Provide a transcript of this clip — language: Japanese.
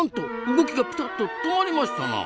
動きがピタッと止まりましたな！